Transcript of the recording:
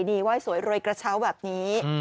ดีไว้สวยโรยกระเช้าแบบนี้